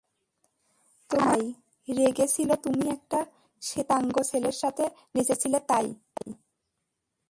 তোমার ভাই রেগে ছিল তুমি একটা শেতাঙ্গ ছেলের সাথে নেচেছিলে তাই?